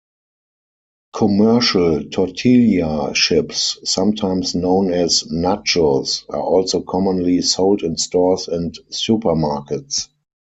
Commercial tortilla chips-sometimes known as "nachos"-are also commonly sold in stores and supermarkets.